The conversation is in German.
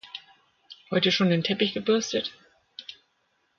Heute schon den Teppich gebürstet?